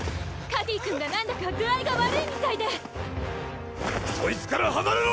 カディ君が何だか具合が悪いみたいでそいつから離れろ！